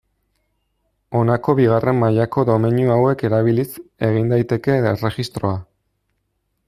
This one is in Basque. Honako bigarren mailako domeinu hauek erabiliz egin daiteke erregistroa.